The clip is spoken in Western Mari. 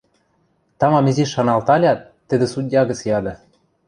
Тамам изиш шаналталят, тӹдӹ судья гӹц яды: